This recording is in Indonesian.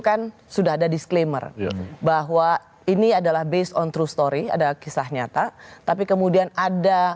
kan sudah ada disclaimer bahwa ini adalah based on true story ada kisah nyata tapi kemudian ada